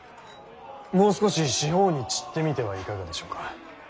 もう少し四方に散ってみてはいかがでしょうか。